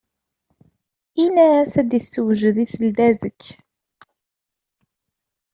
Ini-yas ad d-un-yessujed i seldazekk.